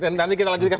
nanti kita lanjutkan